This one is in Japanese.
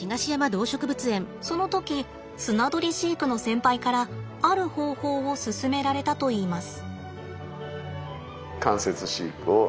その時スナドリ飼育の先輩からある方法を勧められたといいます。